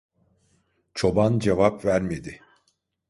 Çoban cevap vermedi.